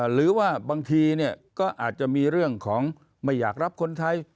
หรือว่าบางทีก็อาจจะมีเรื่องของไม่อยากรับคนไทย